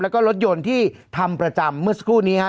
แล้วก็รถยนต์ที่ทำประจำเมื่อสักครู่นี้ฮะ